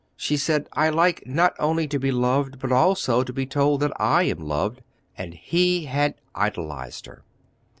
She said, "I like not only to be loved, but also to be told that I am loved," and he had idolized her.